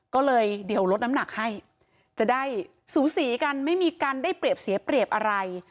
ก็เลยเดี๋ยวลดน้ำหนักให้จะได้สูสีกันไม่มีการได้เปรียบเสียเปรียบอะไร